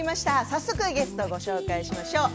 早速ゲストをご紹介しましょう。